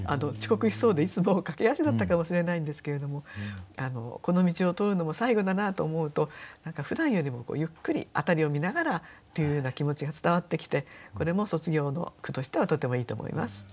遅刻しそうでいつも駆け足だったかもしれないんですけれどもこの道を通るのも最後だなと思うとふだんよりもゆっくり辺りを見ながらというような気持ちが伝わってきてこれも卒業の句としてはとてもいいと思います。